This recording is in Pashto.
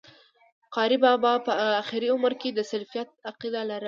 قاري بابا په آخري عمر کي د سلفيت عقيده لرله